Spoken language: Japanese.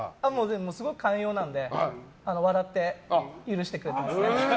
すごい寛容なので笑って許してくれます。